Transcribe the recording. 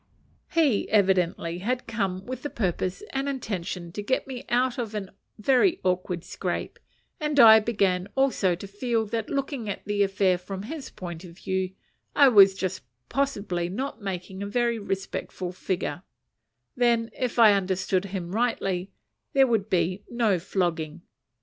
He evidently had come with the purpose and intention to get me out of a very awkward scrape, and I began also to feel that, looking at the affair from his point of view, I was just possibly not making a very respectable figure: then, if I understood him rightly, there would be no flogging.